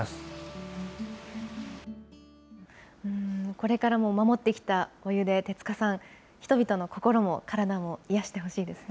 これからも守ってきたお湯で手塚さん、人々の心も体も癒やしてほしいですね。